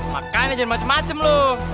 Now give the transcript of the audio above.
makanya jangan macem macem lu